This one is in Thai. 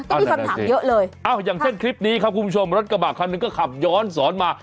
มีคำถามเยอะเลยอ้าวอย่างเช่นคลิปนี้ครับคุณผู้ชมรถกระบะคันหนึ่งก็ขับย้อนสอนมา